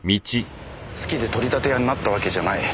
好きで取り立て屋になったわけじゃない。